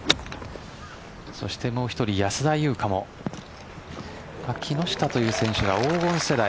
そしてもう１人、安田祐香も木下という選手は黄金世代。